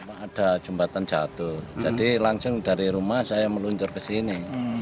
ada jembatan jatuh jadi langsung dari rumah saya meluncur ke sini